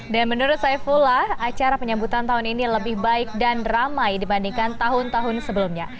dan menurut saifullah acara penyambutan tahun ini lebih baik dan ramai dibandingkan tahun tahun sebelumnya